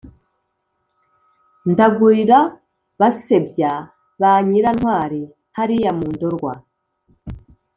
ndagurira basebya ba nyirantwari hariya mu ndorwa